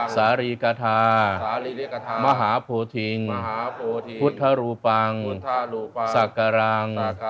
สารีกาธามหาโพธิงพุทธรูปังสักการัง